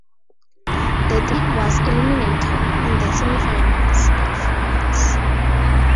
The team was eliminated in the semifinals by France.